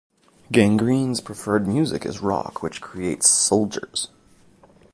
Gangreen's preferred music is rock, which creates soldiers.